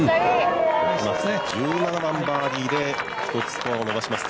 １７番バーディーで１つスコアを伸ばします。